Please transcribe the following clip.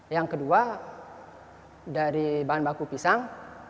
yang kedua dari bahan baku pisang